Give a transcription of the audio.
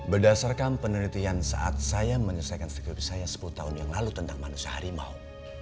berdasarkan penelitian saat saya menyelesaikan skep saya sepuluh tahun yang lalu tentang manusia harimau